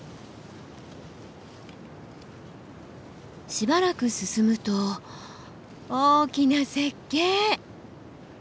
しばらく進むと大きな雪渓！